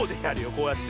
こうやって。